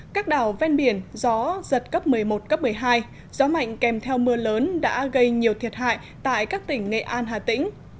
các đảo ven biển gió giật cấp một mươi một cấp một mươi hai gió mạnh kèm theo mưa lớn đã gây nhiều thiệt hại tại các tỉnh nghệ an hà tĩnh